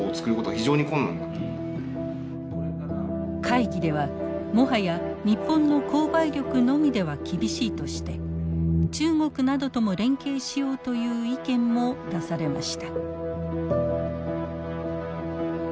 会議ではもはや日本の購買力のみでは厳しいとして中国などとも連携しようという意見も出されました。